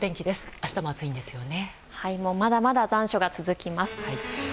明日も暑いんですよね。